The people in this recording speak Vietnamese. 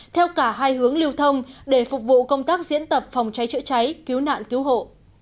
theo cả hai hướng lưu thông để phục vụ công tác diễn tập phòng cháy chữa cháy cứu nạn cứu hộ